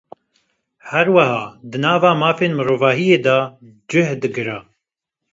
Her wiha, di nav mafên mirovahiyê de cih digire.